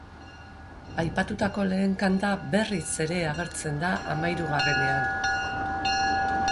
Aipatutako lehen kanta berriz ere agertzen da hamairugarrenean.